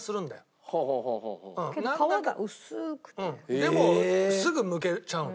でもすぐむけちゃうの。